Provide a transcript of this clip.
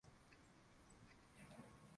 mialiko hiyo haihitaji kadi wala michango